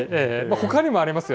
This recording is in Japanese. ほかにもありますよ。